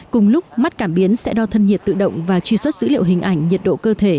cùng lúc mắt cảm biến sẽ đo thân nhiệt tự động và truy xuất dữ liệu hình ảnh nhiệt độ cơ thể